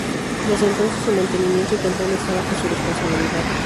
Desde entonces su mantenimiento y control está bajo su responsabilidad.